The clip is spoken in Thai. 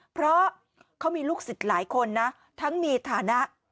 เพราะเขามีลูกศิษย์หลายคนนะทั้งมีฐานะ